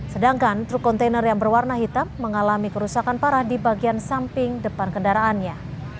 sedangkan truk kontainer yang berwarna hitam mengalami kerusakan parah di bagian samping depan kendaraannya